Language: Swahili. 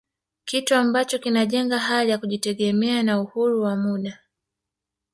Kitu ambacho kinajenga hali ya kujitegemea na uhuru wa muda